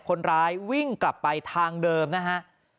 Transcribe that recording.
คนร้ายวิ่งกลับไปทางเดิมนะฮะ